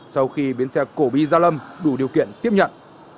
sau khi bến xe cổ bi gia lâm đủ điều kiện tiếp nhận